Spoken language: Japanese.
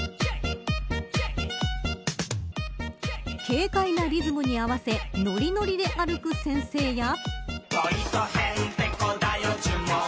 軽快なリズムに合わせノリノリで歩く先生や。